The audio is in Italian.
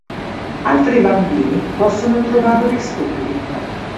Altri bambini possono trovarli stupidi.